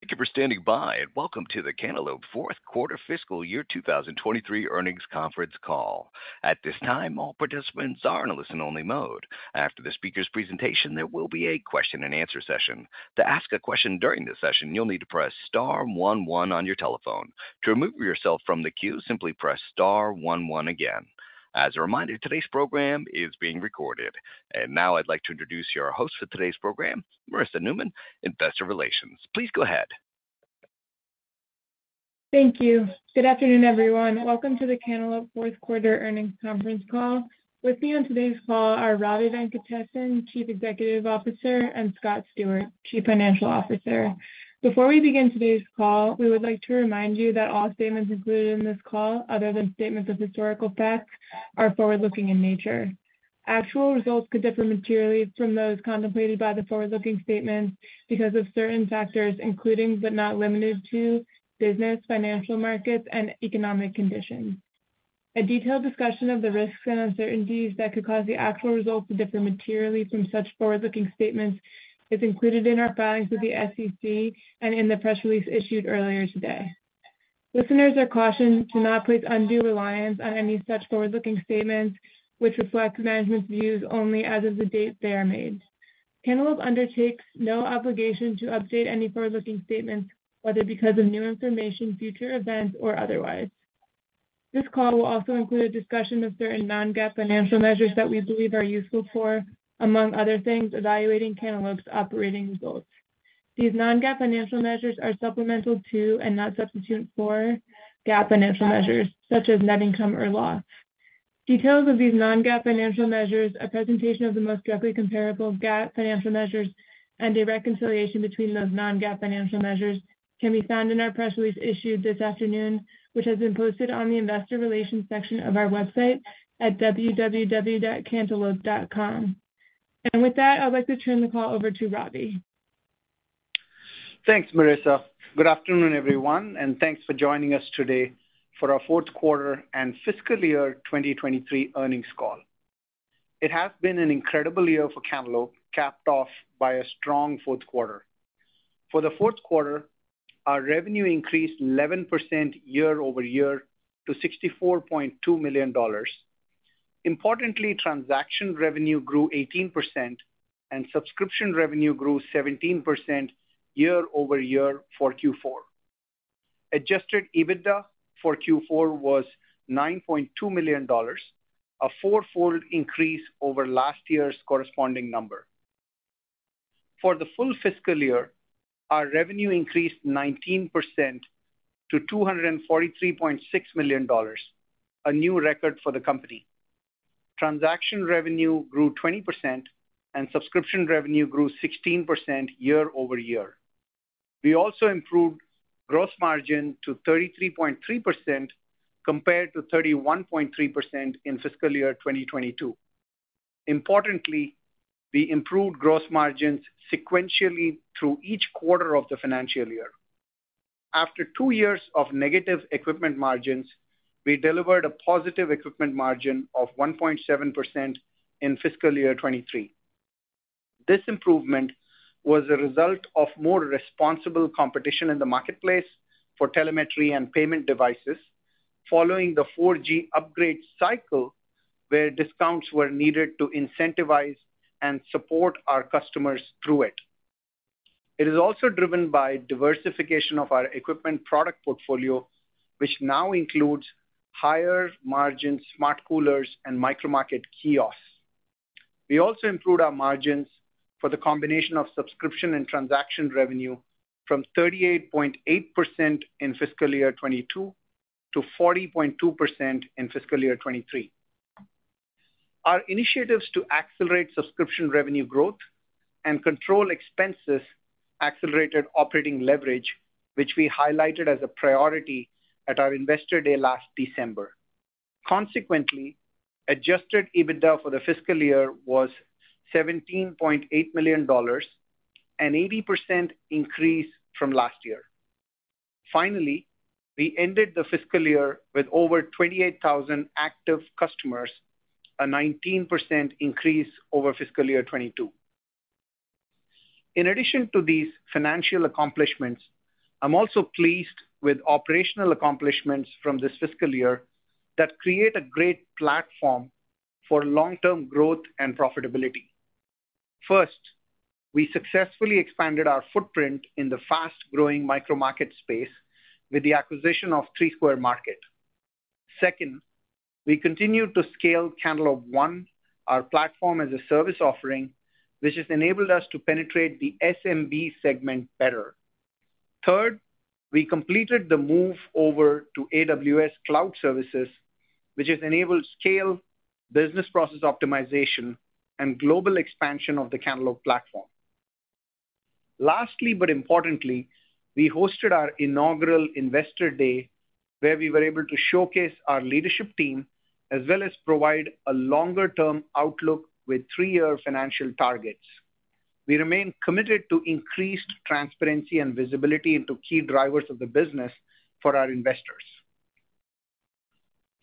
Thank you for standing by, and welcome to the Cantaloupe fourth quarter fiscal year 2023 earnings conference call. At this time, all participants are in a listen-only mode. After the speaker's presentation, there will be a question-and-answer session. To ask a question during this session, you'll need to press Star one one on your telephone. To remove yourself from the queue, simply press Star one one again. As a reminder, today's program is being recorded. And now I'd like to introduce your host for today's program, Marissa Neuman, Investor Relations. Please go ahead. Thank you. Good afternoon, everyone. Welcome to the Cantaloupe fourth quarter earnings conference call. With me on today's call are Ravi Venkatesan, Chief Executive Officer, and Scott Stewart, Chief Financial Officer. Before we begin today's call, we would like to remind you that all statements included in this call, other than statements of historical facts, are forward-looking in nature. Actual results could differ materially from those contemplated by the forward-looking statements because of certain factors, including but not limited to, business, financial markets, and economic conditions. A detailed discussion of the risks and uncertainties that could cause the actual results to differ materially from such forward-looking statements is included in our filings with the SEC and in the press release issued earlier today. Listeners are cautioned to not place undue reliance on any such forward-looking statements, which reflect management's views only as of the date they are made. Cantaloupe undertakes no obligation to update any forward-looking statements, whether because of new information, future events, or otherwise. This call will also include a discussion of certain non-GAAP financial measures that we believe are useful for, among other things, evaluating Cantaloupe's operating results. These non-GAAP financial measures are supplemental to and not substitute for GAAP financial measures, such as net income or loss. Details of these non-GAAP financial measures, a presentation of the most directly comparable GAAP financial measures, and a reconciliation between those non-GAAP financial measures, can be found in our press release issued this afternoon, which has been posted on the Investor Relations section of our website at www.cantaloupe.com. With that, I'd like to turn the call over to Ravi. Thanks, Marissa. Good afternoon, everyone, and thanks for joining us today for our fourth quarter and fiscal year 2023 earnings call. It has been an incredible year for Cantaloupe, capped off by a strong fourth quarter. For the fourth quarter, our revenue increased 11% year-over-year to $64.2 million. Importantly, transaction revenue grew 18%, and subscription revenue grew 17% year-over-year for Q4. Adjusted EBITDA for Q4 was $9.2 million, a fourfold increase over last year's corresponding number. For the full fiscal year, our revenue increased 19% to $243.6 million, a new record for the company. Transaction revenue grew 20%, and subscription revenue grew 16% year-over-year. We also improved gross margin to 33.3%, compared to 31.3% in fiscal year 2022. Importantly, we improved gross margins sequentially through each quarter of the financial year. After two years of negative equipment margins, we delivered a positive equipment margin of 1.7% in fiscal year 2023. This improvement was a result of more responsible competition in the marketplace for telemetry and payment devices following the 4G upgrade cycle, where discounts were needed to incentivize and support our customers through it. It is also driven by diversification of our equipment product portfolio, which now includes higher-margin smart coolers and micro market kiosks. We also improved our margins for the combination of subscription and transaction revenue from 38.8% in fiscal year 2022 to 40.2% in fiscal year 2023. Our initiatives to accelerate subscription revenue growth and control expenses accelerated operating leverage, which we highlighted as a priority at our Investor Day last December. Consequently, Adjusted EBITDA for the fiscal year was $17.8 million, an 80% increase from last year. Finally, we ended the fiscal year with over 28,000 active customers, a 19% increase over fiscal year 2022. In addition to these financial accomplishments, I'm also pleased with operational accomplishments from this fiscal year that create a great platform for long-term growth and profitability. First, we successfully expanded our footprint in the fast-growing micromarket space with the acquisition of Three Square Market. Second, we continued to scale Cantaloupe One, our platform as a service offering, which has enabled us to penetrate the SMB segment better. Third, we completed the move over to AWS cloud services, which has enabled scale, business process optimization, and global expansion of the Cantaloupe platform. Lastly, but importantly, we hosted our inaugural Investor Day, where we were able to showcase our leadership team, as well as provide a longer-term outlook with three-year financial targets. We remain committed to increased transparency and visibility into key drivers of the business for our investors.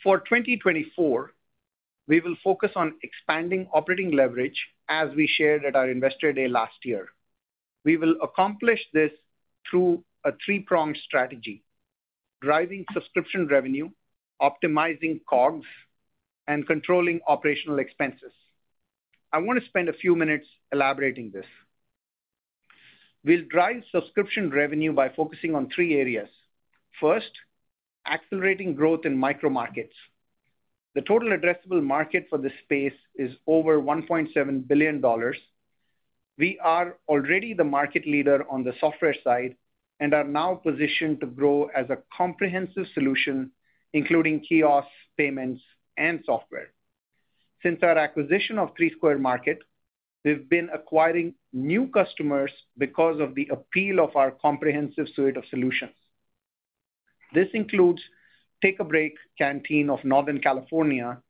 For 2024, we will focus on expanding operating leverage, as we shared at our Investor Day last year. We will accomplish this through a three-pronged strategy: driving subscription revenue, optimizing COGS, and controlling operational expenses. I want to spend a few minutes elaborating this. We'll drive subscription revenue by focusing on three areas. First, accelerating growth in micro markets. The total addressable market for this space is over $1.7 billion. We are already the market leader on the software side and are now positioned to grow as a comprehensive solution, including kiosks, payments, and software. Since our acquisition of Three Square Market, we've been acquiring new customers because of the appeal of our comprehensive suite of solutions. This includes Take A Break Canteen of Northern California,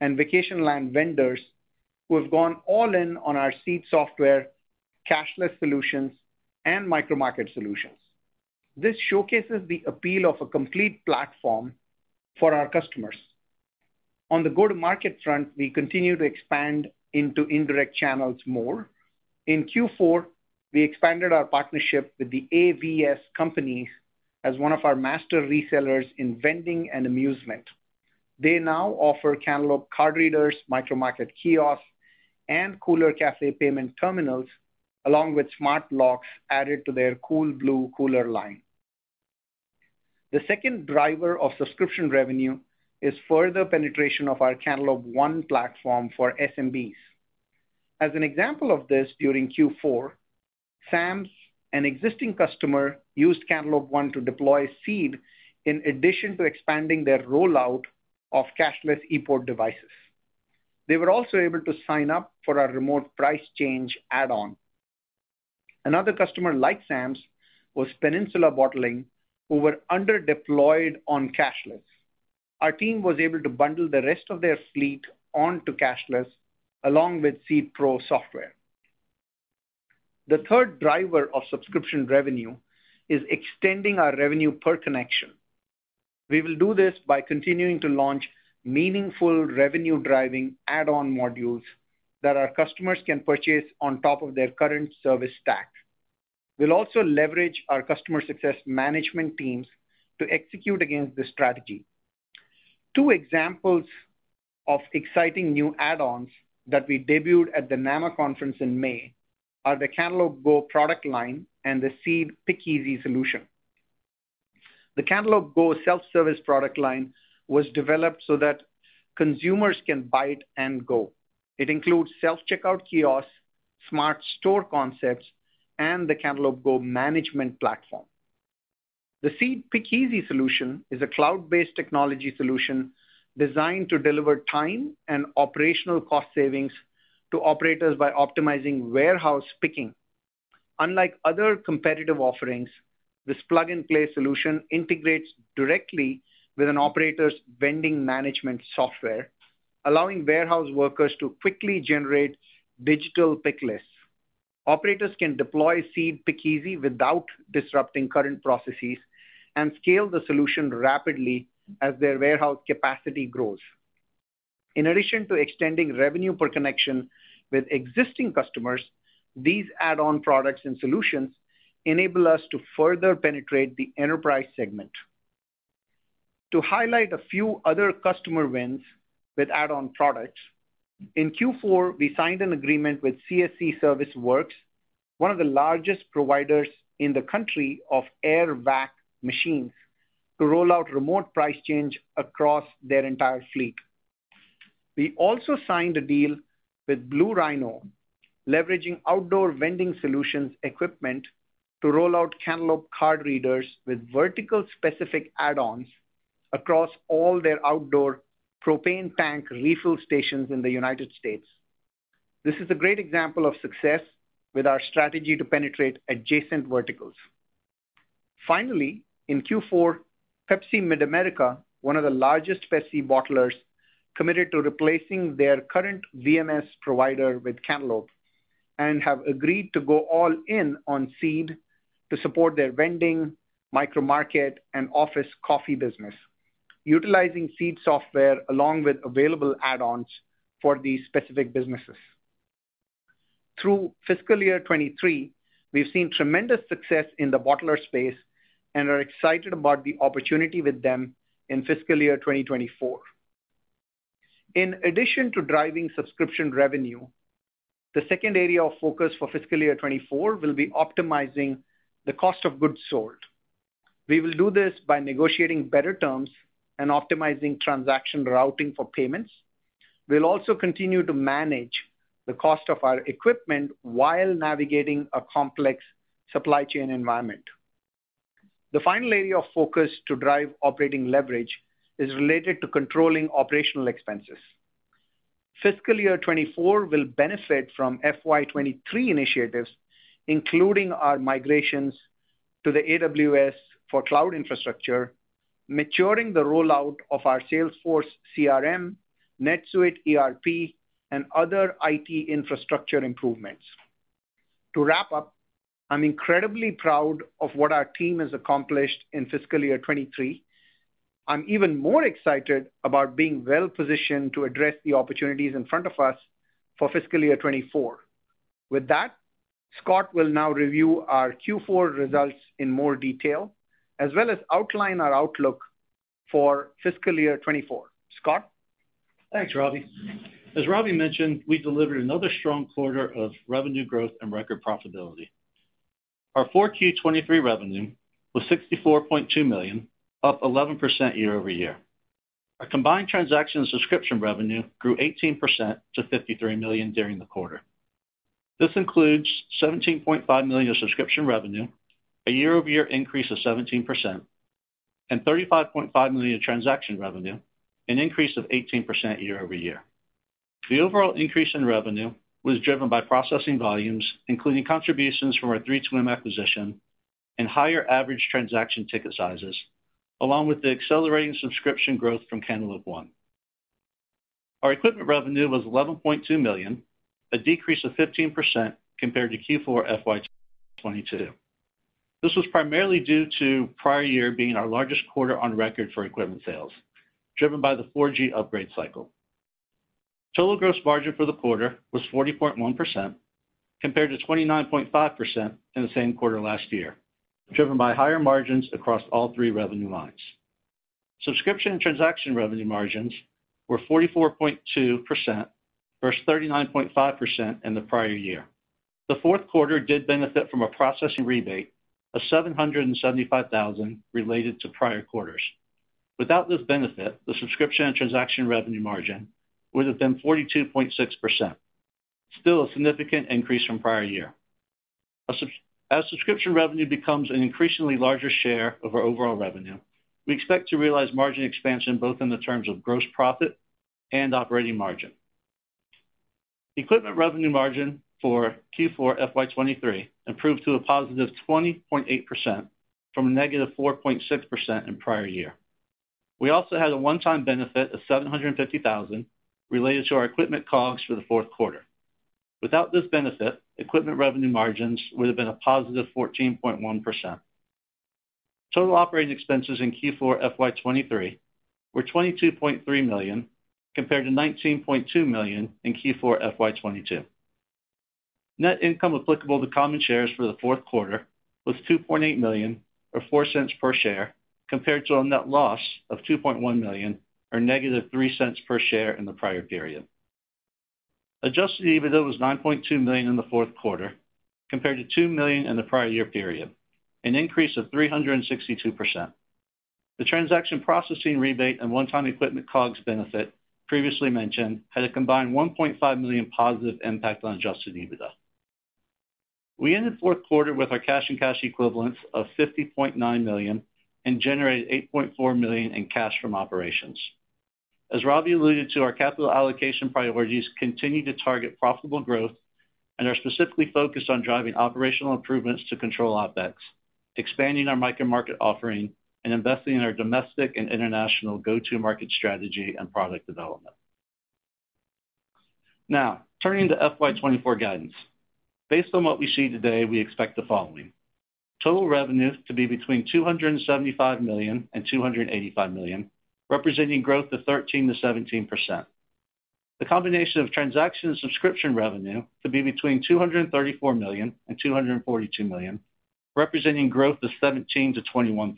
and Vacationland Vendors, who have gone all in on our Seed software, cashless solutions, and micro market solutions. This showcases the appeal of a complete platform for our customers. On the go-to-market front, we continue to expand into indirect channels more. In Q4, we expanded our partnership with the AVS Companies as one of our master resellers in vending and amusement. They now offer Cantaloupe card readers, micromarket kiosks, and Cooler Café payment terminals, along with smart locks added to their Cool Blue cooler line. The second driver of subscription revenue is further penetration of our Cantaloupe One platform for SMBs. As an example of this, during Q4, Sam's, an existing customer, used Cantaloupe One to deploy Seed, in addition to expanding their rollout of cashless ePort devices. They were also able to sign up for our remote price change add-on. Another customer like Sam's was Peninsula Bottling, who were under-deployed on cashless. Our team was able to bundle the rest of their fleet onto cashless, along with Seed Pro software. The third driver of subscription revenue is extending our revenue per connection. We will do this by continuing to launch meaningful revenue-driving add-on modules that our customers can purchase on top of their curren ePort devices.. We'll also leverage our customer success management teams to execute against this strategy. Two examples of exciting new add-ons that we debuted at the NAMA conference in May are the Cantaloupe Go product line and the Seed Pick Easy solution. The Cantaloupe Go self-service product line was developed so that consumers can buy it and go. It includes self-checkout kiosks, smart store concepts, and the Cantaloupe Go management platform. The Seed Pick Easy solution is a cloud-based technology solution designed to deliver time and operational cost savings to operators by optimizing warehouse picking. Unlike other competitive offerings, this plug-and-play solution integrates directly with an operator's vending management software, allowing warehouse workers to quickly generate digital pick lists. Operators can deploy Seed Pick Easy without disrupting current processes and scale the solution rapidly as their warehouse capacity grows. In addition to extending revenue per connection with existing customers, these add-on products and solutions enable us to further penetrate the enterprise segment. To highlight a few other customer wins with add-on products, in Q4, we signed an agreement with CSC ServiceWorks, one of the largest providers in the country of air-vac machines, to roll out remote price change across their entire fleet. We also signed a deal with Blue Rhino, leveraging outdoor vending solutions equipment to roll out Cantaloupe card readers with vertical-specific add-ons across all their outdoor propane tank refill stations in the United States. This is a great example of success with our strategy to penetrate adjacent verticals. Finally, in Q4, Pepsi Mid-America, one of the largest Pepsi bottlers, committed to replacing their current VMS provider with Cantaloupe and have agreed to go all in on Seed to support their vending, micro market, and office coffee business, utilizing Seed software along with available add-ons for these specific businesses. Through fiscal year 2023, we've seen tremendous success in the bottler space and are excited about the opportunity with them in fiscal year 2024. In addition to driving subscription revenue, the second area of focus for fiscal year 2024 will be optimizing the cost of goods sold. We will do this by negotiating better terms and optimizing transaction routing for payments. We'll also continue to manage the cost of our equipment while navigating a complex supply chain environment. The final area of focus to drive operating leverage is related to controlling operational expenses. Fiscal year 2024 will benefit from FY 2023 initiatives, including our migrations to the AWS for cloud infrastructure, maturing the rollout of our Salesforce CRM, NetSuite ERP, and other IT infrastructure improvements. To wrap up, I'm incredibly proud of what our team has accomplished in fiscal year 2023. I'm even more excited about being well-positioned to address the opportunities in front of us for fiscal year 2024. With that, Scott will now review our Q4 results in more detail, as well as outline our outlook for fiscal year 2024. Scott? Thanks, Ravi. As Ravi mentioned, we delivered another strong quarter of revenue growth and record profitability. Our Q4 2023 revenue was $64.2 million, up 11% year-over-year. Our combined transaction subscription revenue grew 18% to $53 million during the quarter. This includes $17.5 million of subscription revenue, a year-over-year increase of 17%, and $35.5 million in transaction revenue, an increase of 18% year-over-year. The overall increase in revenue was driven by processing volumes, including contributions from our 32M acquisition and higher average transaction ticket sizes, along with the accelerating subscription growth from Cantaloupe One. Our equipment revenue was $11.2 million, a decrease of 15% compared to Q4 FY 2022. This was primarily due to prior year being our largest quarter on record for equipment sales, driven by the 4G upgrade cycle. Total gross margin for the quarter was 40.1%, compared to 29.5% in the same quarter last year, driven by higher margins across all three revenue lines. Subscription and transaction revenue margins were 44.2% versus 39.5% in the prior year. The fourth quarter did benefit from a processing rebate of $775,000 related to prior quarters. Without this benefit, the subscription and transaction revenue margin would have been 42.6%, still a significant increase from prior year. As subscription revenue becomes an increasingly larger share of our overall revenue, we expect to realize margin expansion both in the terms of gross profit and operating margin. Equipment revenue margin for Q4 FY 2023 improved to a positive 20.8%, from a negative 4.6% in prior year. We also had a one-time benefit of $750,000 related to our equipment COGS for the fourth quarter. Without this benefit, equipment revenue margins would have been +14.1%. Total operating expenses in Q4 FY 2023 were $22.3 million, compared to $19.2 million in Q4 FY 2022. Net income applicable to common shares for the fourth quarter was $2.8 million, or $0.04 per share, compared to a net loss of $2.1 million, or -$0.03 per share in the prior period. Adjusted EBITDA was $9.2 million in the fourth quarter, compared to $2 million in the prior year period, an increase of 362%. The transaction processing rebate and one-time equipment COGS benefit previously mentioned, had a combined $1.5 million positive impact on adjusted EBITDA. We ended fourth quarter with our cash and cash equivalents of $50.9 million and generated $8.4 million in cash from operations. As Ravi alluded to, our capital allocation priorities continue to target profitable growth and are specifically focused on driving operational improvements to control OpEx, expanding our micro-market offering, and investing in our domestic and international go-to-market strategy and product development. Now, turning to FY 2024 guidance. Based on what we see today, we expect the following: total revenues to be between $275 million and $285 million, representing growth of 13%-17%. The combination of transaction and subscription revenue to be between $234 million and $242 million, representing growth of 17%-21%.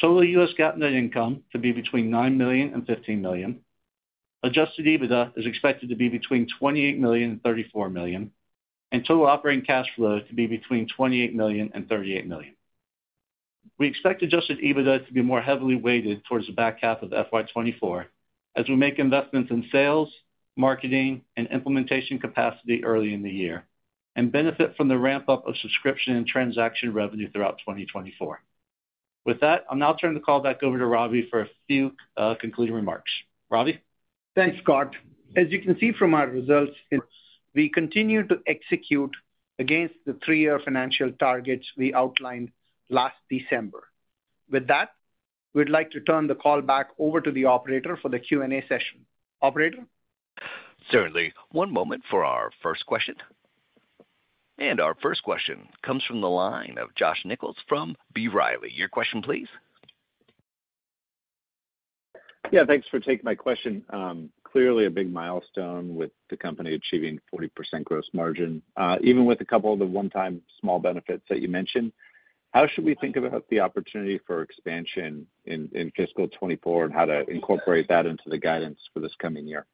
Total US GAAP net income to be between $9 million and $15 million. Adjusted EBITDA is expected to be between $28 million and $34 million, and total operating cash flow to be between $28 million and $38 million. We expect adjusted EBITDA to be more heavily weighted towards the back half of FY 2024, as we make investments in sales, marketing, and implementation capacity early in the year, and benefit from the ramp-up of subscription and transaction revenue throughout 2024. With that, I'll now turn the call back over to Ravi for a few, concluding remarks. Ravi? Thanks, Scott. As you can see from our results, we continue to execute against the three-year financial targets we outlined last December. With that, we'd like to turn the call back over to the operator for the Q&A session. Operator? Certainly. One moment for our first question. Our first question comes from the line of Josh Nichols from B. Riley. Your question, please. Yeah, thanks for taking my question. Clearly a big milestone with the company achieving 40% gross margin. Even with a couple of the one-time small benefits that you mentioned, how should we think about the opportunity for expansion in fiscal 2024 and how to incorporate that into the guidance for this coming year?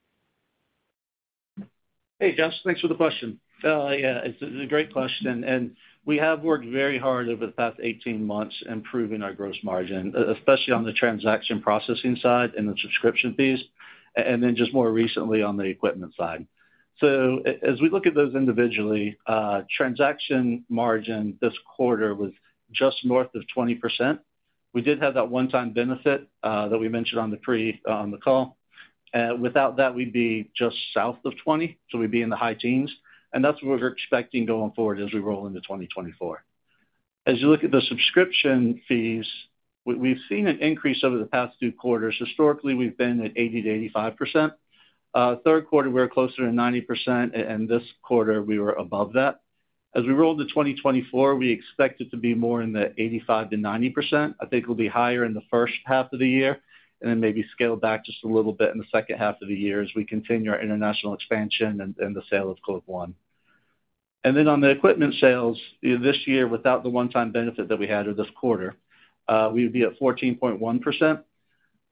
Hey, Josh, thanks for the question. Yeah, it's a great question, and we have worked very hard over the past 18 months improving our Gross Margin, especially on the transaction processing side and the subscription fees, and then just more recently on the equipment side. So as we look at those individually, transaction margin this quarter was just north of 20%. We did have that one-time benefit that we mentioned on the pre on the call. Without that, we'd be just south of 20, so we'd be in the high teens, and that's what we're expecting going forward as we roll into 2024. As you look at the subscription fees, we've seen an increase over the past two quarters. Historically, we've been at 80%-85%. Third quarter, we were closer to 90%, and this quarter, we were above that. As we roll into 2024, we expect it to be more in the 85%-90%. I think we'll be higher in the first half of the year, and then maybe scale back just a little bit in the second half of the year as we continue our international expansion and the sale of Cantaloupe One. And then on the equipment sales, this year, without the one-time benefit that we had of this quarter, we would be at 14.1%.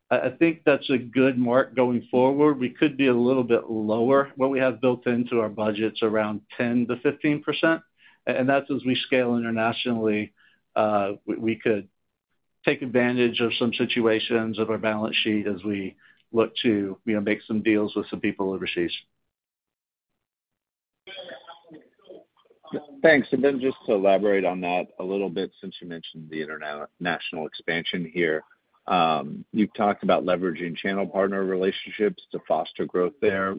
I think that's a good mark going forward. We could be a little bit lower. What we have built into our budget is around 10%-15%, and that's as we scale internationally, we could take advantage of some situations of our balance sheet as we look to, you know, make some deals with some people overseas. Thanks. And then just to elaborate on that a little bit, since you mentioned the international expansion here. You've talked about leveraging channel partner relationships to foster growth there.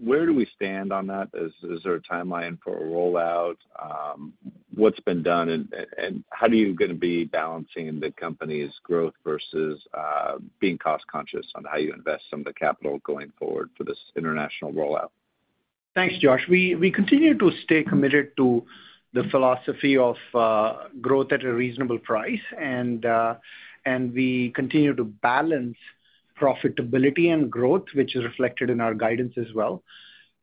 Where do we stand on that? Is there a timeline for a rollout? What's been done, and how are you gonna be balancing the company's growth versus being cost conscious on how you invest some of the capital going forward for this international rollout? Thanks, Josh. We, we continue to stay committed to the philosophy of, growth at a reasonable price, and, and we continue to balance profitability and growth, which is reflected in our guidance as well.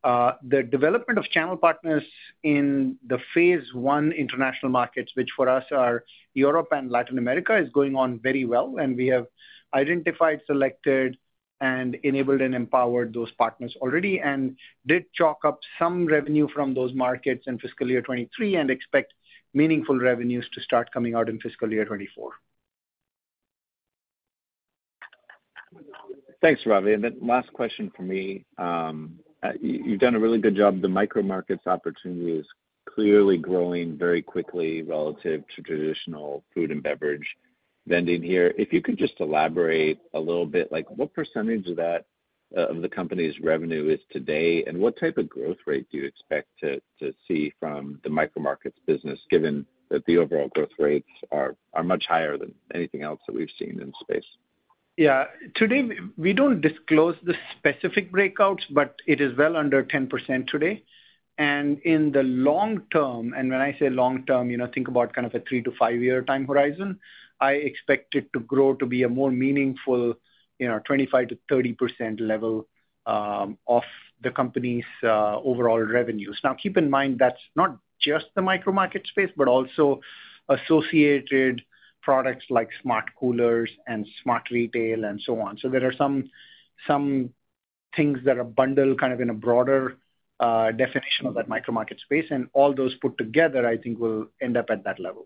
The development of channel partners in the phase one international markets, which for us are Europe and Latin America, is going on very well, and we have identified, selected, and enabled, and empowered those partners already, and did chalk up some revenue from those markets in fiscal year 2023 and expect meaningful revenues to start coming out in fiscal year 2024. Thanks, Ravi. And then last question for me. You've done a really good job. The micro markets opportunity is clearly growing very quickly relative to traditional food and beverage vending here. If you could just elaborate a little bit, like, what percentage of that of the company's revenue is today, and what type of growth rate do you expect to see from the micro markets business, given that the overall growth rates are much higher than anything else that we've seen in the space? Yeah. Today, we don't disclose the specific breakouts, but it is well under 10% today. And in the long term, and when I say long term, you know, think about kind of a 3-5-year time horizon, I expect it to grow to be a more meaningful, you know, 25%-30% level of the company's overall revenues. Now, keep in mind, that's not just the micro market space, but also associated products like smart coolers and smart retail, and so on. So there are some things that are bundled kind of in a broader definition of that micro market space, and all those put together, I think, will end up at that level.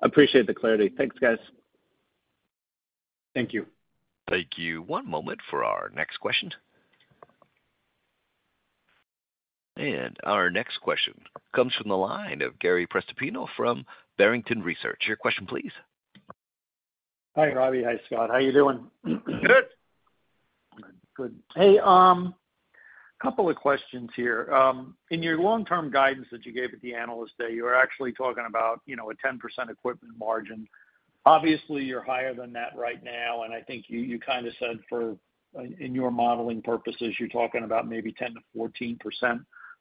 Appreciate the clarity. Thanks, guys. Thank you. Thank you. One moment for our next question. Our next question comes from the line of Gary Prestopino from Barrington Research. Your question, please. Hi, Ravi. Hi, Scott. How are you doing? Good! Good. Hey, couple of questions here. In your long-term guidance that you gave at the Analyst Day, you were actually talking about, you know, a 10% equipment margin. Obviously, you're higher than that right now, and I think you kind of said for in your modeling purposes, you're talking about maybe 10%-14%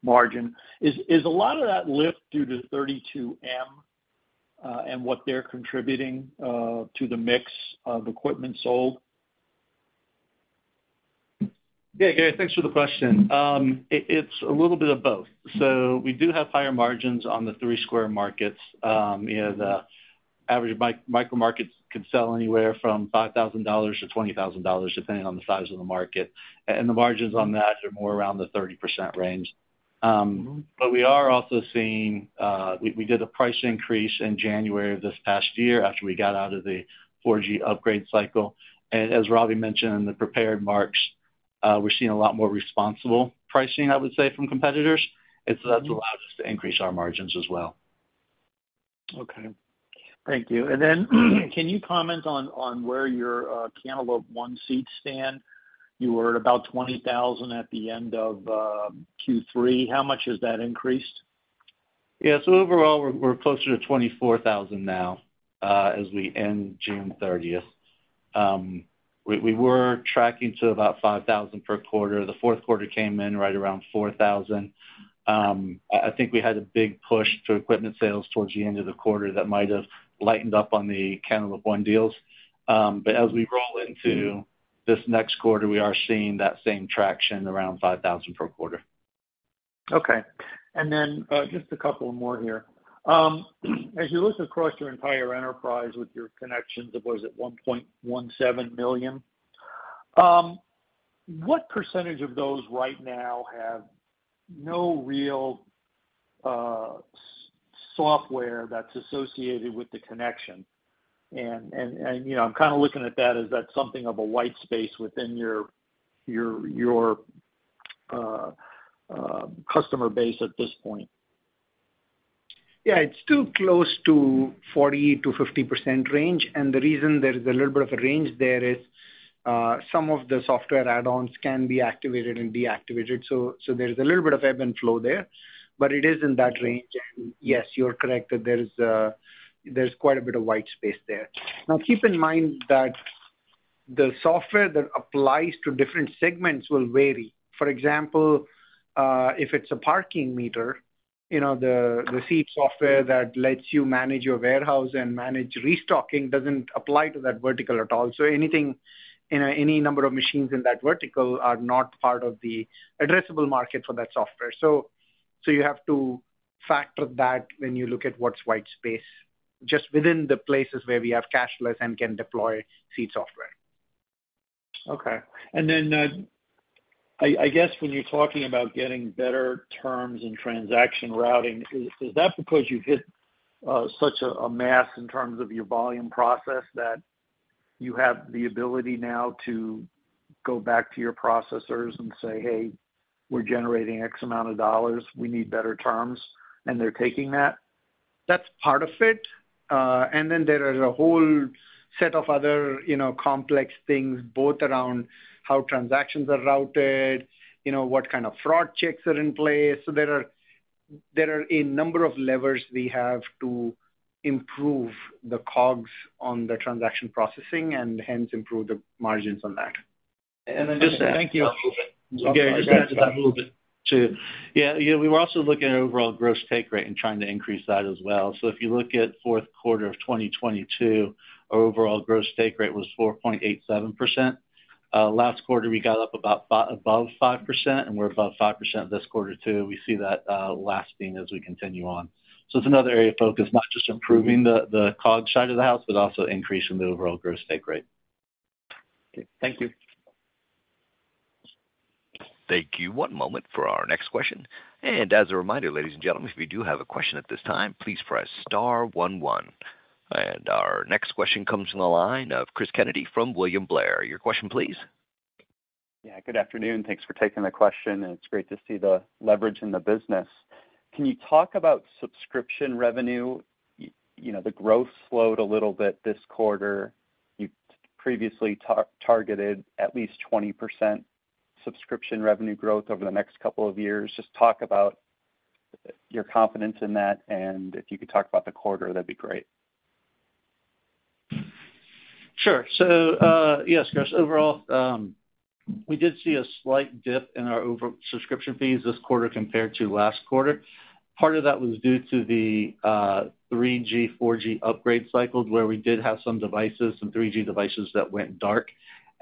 margin. Is a lot of that lift due to 32M and what they're contributing to the mix of equipment sold? Yeah, Gary, thanks for the question. It's a little bit of both. So we do have higher margins on the Three Square markets. You know, the average micro markets can sell anywhere from $5,000-$20,000, depending on the size of the market, and the margins on that are more around the 30% range. But we are also seeing. We did a price increase in January of this past year after we got out of the 4G upgrade cycle. As Ravi mentioned in the prepared remarks, we're seeing a lot more responsible pricing, I would say, from competitors, and so that's allowed us to increase our margins as well. Okay. Thank you. And then, can you comment on, on where your Cantaloupe One seats stand? You were at about 20,000 at the end of Q3. How much has that increased? Yeah, so overall, we're closer to 24,000 now as we end June 30th. We were tracking to about 5,000 per quarter. The fourth quarter came in right around 4,000. I think we had a big push to equipment sales towards the end of the quarter that might have lightened up on the Cantaloupe One deals. But as we roll into this next quarter, we are seeing that same traction around 5,000 per quarter. Okay. And then, just a couple more here. As you look across your entire enterprise with your connections, it was at 1.17 million. What percentage of those right now have no real software that's associated with the connection? And, you know, I'm kind of looking at that as that's something of a white space within your customer base at this point. Yeah, it's still close to 40%-50% range, and the reason there is a little bit of a range there is, some of the software add-ons can be activated and deactivated. So, so there's a little bit of ebb and flow there, but it is in that range. And yes, you're correct, that there is a, there's quite a bit of white space there. Now, keep in mind that the software that applies to different segments will vary. For example, if it's a parking meter, you know, the Seed software that lets you manage your warehouse and manage restocking doesn't apply to that vertical at all. So anything in any number of machines in that vertical are not part of the addressable market for that software. So you have to factor that when you look at what's white space, just within the places where we have cashless and can deploy Seed software. Okay. And then, I guess when you're talking about getting better terms and transaction routing, is that because you've hit such a mass in terms of your volume process, that you have the ability now to go back to your processors and say, "Hey, we're generating X amount of dollars, we need better terms," and they're taking that? That's part of it. And then there is a whole set of other, you know, complex things, both around how transactions are routed, you know, what kind of fraud checks are in place. So there are a number of levers we have to improve the COGS on the transaction processing and hence improve the margins on that. And then just- Thank you. Gary, just to add to that a little bit, too. Yeah, yeah, we were also looking at overall gross take rate and trying to increase that as well. So if you look at fourth quarter of 2022, our overall gross take rate was 4.87%. Last quarter, we got up about above 5%, and we're above 5% this quarter, too. We see that lasting as we continue on. So it's another area of focus, not just improving the COGS side of the house, but also increasing the overall gross take rate. Okay, thank you. Thank you. One moment for our next question. As a reminder, ladies and gentlemen, if you do have a question at this time, please press Star one one. Our next question comes from the line of Chris Kennedy from William Blair. Your question, please. Yeah, good afternoon. Thanks for taking the question, and it's great to see the leverage in the business. Can you talk about subscription revenue? You know, the growth slowed a little bit this quarter. You previously targeted at least 20% subscription revenue growth over the next couple of years. Just talk about your confidence in that, and if you could talk about the quarter, that'd be great. Sure. So, yes, Chris, overall, we did see a slight dip in our subscription fees this quarter compared to last quarter. Part of that was due to the 3G, 4G upgrade cycles, where we did have some devices, some 3G devices that went dark,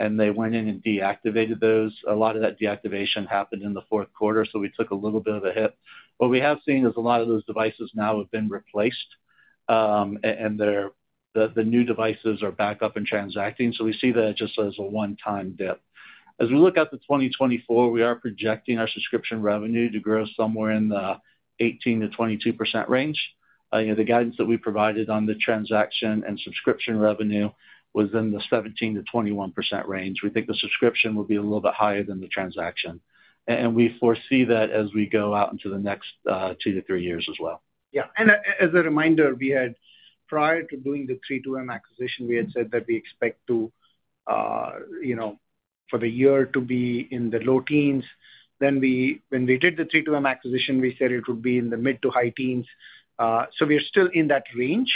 and they went in and deactivated those. A lot of that deactivation happened in the fourth quarter, so we took a little bit of a hit. What we have seen is a lot of those devices now have been replaced, and they're the new devices are back up and transacting, so we see that just as a one-time dip. As we look out to 2024, we are projecting our subscription revenue to grow somewhere in the 18%-22% range. You know, the guidance that we provided on the transaction and subscription revenue was in the 17%-21% range. We think the subscription will be a little bit higher than the transaction, and we foresee that as we go out into the next two to three years as well. Yeah. As a reminder, we had prior to doing the 32M acquisition, we had said that we expect to, you know, for the year to be in the low teens. Then we, when we did the 32M acquisition, we said it would be in the mid- to high teens. So we are still in that range,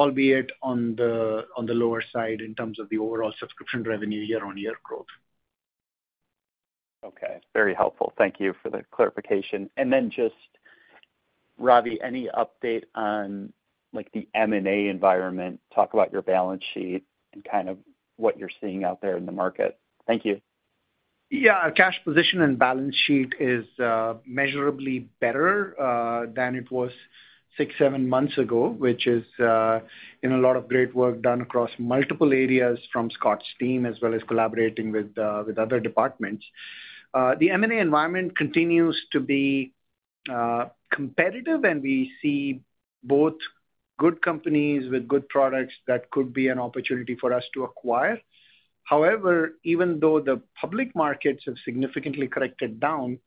albeit on the, on the lower side in terms of the overall subscription revenue year-on-year growth. Okay. Very helpful. Thank you for the clarification. Then just, Ravi, any update on, like, the M&A environment? Talk about your balance sheet and kind of what you're seeing out there in the market. Thank you. Yeah. Our cash position and balance sheet is measurably better than it was six, seven months ago, which is in a lot of great work done across multiple areas from Scott's team, as well as collaborating with other departments. The M&A environment continues to be competitive, and we see both good companies with good products that could be an opportunity for us to acquire. However, even though the public markets have significantly corrected down,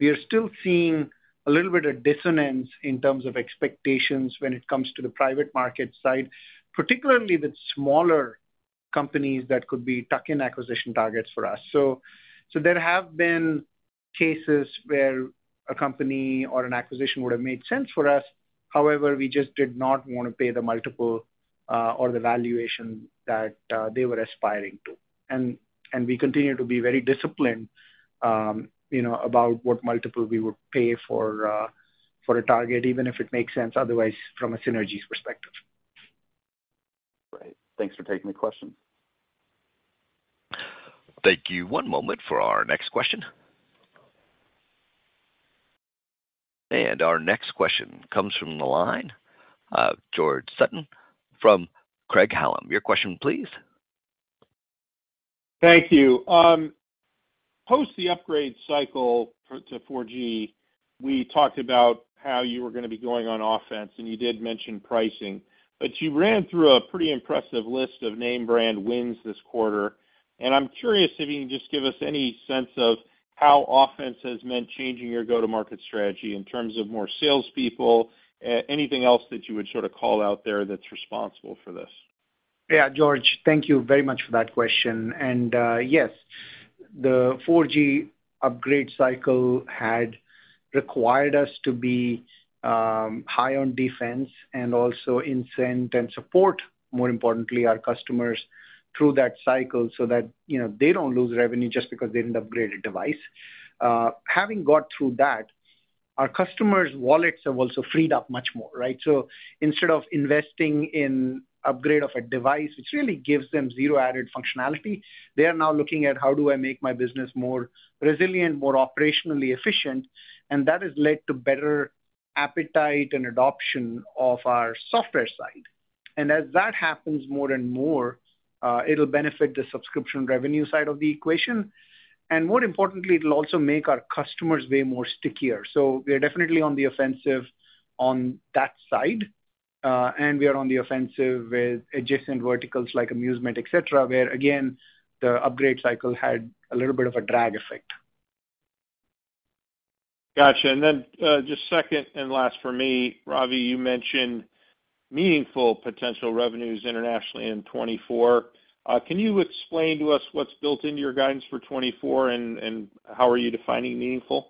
we are still seeing a little bit of dissonance in terms of expectations when it comes to the private market side, particularly the smaller companies that could be tuck-in acquisition targets for us. So there have been cases where a company or an acquisition would have made sense for us, however, we just did not want to pay the multiple or the valuation that they were aspiring to. And we continue to be very disciplined, you know, about what multiple we would pay for a target, even if it makes sense otherwise from a synergies perspective. Great. Thanks for taking the question. Thank you. One moment for our next question. And our next question comes from the line of George Sutton from Craig-Hallum. Your question, please. Thank you. Post the upgrade cycle for to 4G, we talked about how you were gonna be going on offense, and you did mention pricing. But you ran through a pretty impressive list of name brand wins this quarter, and I'm curious if you can just give us any sense of how offense has meant changing your go-to-market strategy in terms of more salespeople, anything else that you would sort of call out there that's responsible for this? Yeah, George, thank you very much for that question. And yes, the 4G upgrade cycle had required us to be high on defense and also incent and support, more importantly, our customers through that cycle so that, you know, they don't lose revenue just because they didn't upgrade a device. Having got through that, our customers' wallets have also freed up much more, right? So instead of investing in upgrade of a device, which really gives them zero added functionality, they are now looking at, how do I make my business more resilient, more operationally efficient? And that has led to better appetite and adoption of our software side. And as that happens more and more, it'll benefit the subscription revenue side of the equation, and more importantly, it'll also make our customers way more stickier. So we are definitely on the offensive on that side, and we are on the offensive with adjacent verticals like amusement, et cetera, where, again, the upgrade cycle had a little bit of a drag effect. Gotcha. And then, just second and last for me, Ravi, you mentioned meaningful potential revenues internationally in 2024. Can you explain to us what's built into your guidance for 2024 and, and how are you defining meaningful?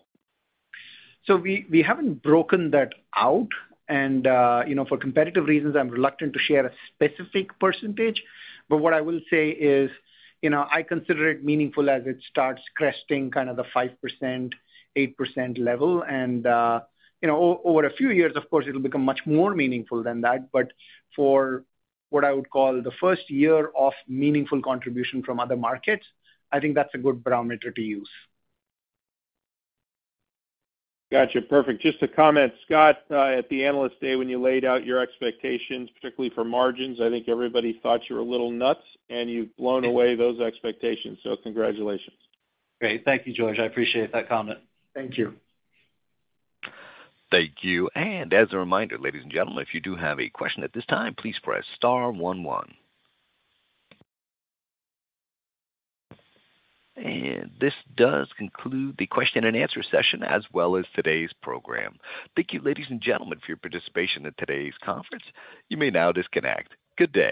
So we, we haven't broken that out, and, you know, for competitive reasons, I'm reluctant to share a specific percentage. But what I will say is, you know, I consider it meaningful as it starts cresting kind of the 5%-8% level. And, you know, over a few years, of course, it'll become much more meaningful than that. But for what I would call the first year of meaningful contribution from other markets, I think that's a good parameter to use. Gotcha. Perfect. Just a comment, Scott, at the Analyst Day, when you laid out your expectations, particularly for margins, I think everybody thought you were a little nuts, and you've blown away those expectations, so congratulations. Great. Thank you, George. I appreciate that comment. Thank you. Thank you. As a reminder, ladies and gentlemen, if you do have a question at this time, please press star one one. This does conclude the question and answer session, as well as today's program. Thank you, ladies and gentlemen, for your participation in today's conference. You may now disconnect. Good day.